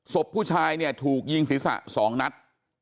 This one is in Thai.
ศพผู้ชายถูกยิงศิษย์สองนัด